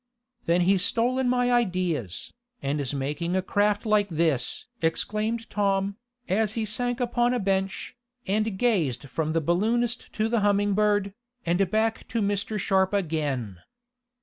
"Then he's stolen my ideas, and is making a craft like this!" exclaimed Tom, as he sank upon a bench, and gazed from the balloonist to the Humming Bird, and back to Mr. Sharp again.